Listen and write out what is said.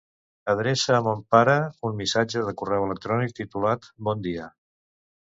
Adreça a mon pare un missatge de correu electrònic titulat "bon dia".